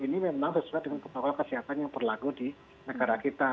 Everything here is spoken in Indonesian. ini memang sesuai dengan protokol kesehatan yang berlaku di negara kita